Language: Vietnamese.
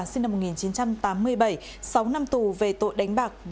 sinh năm một nghìn chín trăm tám mươi bảy sáu năm tù về tội đánh bạc